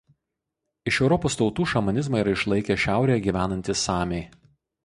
Iš Europos tautų šamanizmą yra išlaikę šiaurėje gyvenantys samiai.